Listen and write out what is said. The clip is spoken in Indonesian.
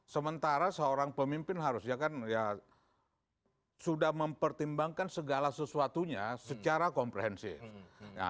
sementara seorang pemimpin harusnya kan ya sudah mempertimbangkan segala sesuatunya secara komprehensif